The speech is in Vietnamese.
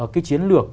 cái chiến lược